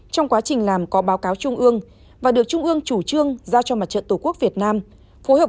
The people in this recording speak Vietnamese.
trong quá trình làm có báo cáo trung ương và được trung ương chủ trương giao cho mặt trận tổ quốc việt nam phối hợp